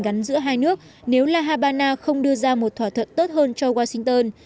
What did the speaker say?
hàn quốc sẽ gắn giữa hai nước nếu là havana không đưa ra một thỏa thuận tốt hơn cho washington